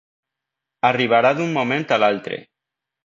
Arribarà d'un moment a l'altre.